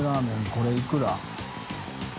これいくら？